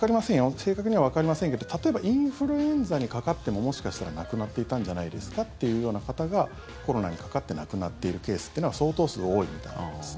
正確にはわかりませんけど例えばインフルエンザにかかってももしかしたら亡くなってたんじゃないですかっていうような方がコロナにかかって亡くなっているケースというのは相当数、多いみたいですね。